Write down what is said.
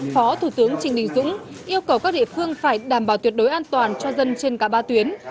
phó thủ tướng trịnh đình dũng yêu cầu các địa phương phải đảm bảo tuyệt đối an toàn cho dân trên cả ba tuyến